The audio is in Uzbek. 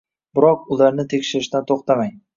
Biroq, ularni tekshirishdan to‘xtamang!